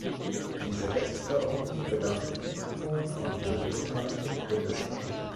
Diese Rechtsverordnung bedarf der Zustimmung von Bundestag und Bundesrat.